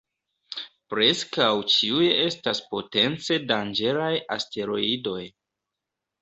Preskaŭ ĉiuj estas potence danĝeraj asteroidoj.